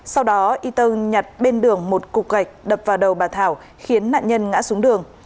sau đó ito nhặt bên đường một cục gạch đập vào đầu bà thảo khiến nạn nhân ngã xuống đường